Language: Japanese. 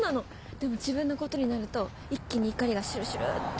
でも自分のことになると一気に怒りがシュルシュルって。